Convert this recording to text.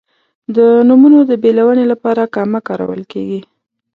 د نومونو د بېلونې لپاره کامه کارول کیږي.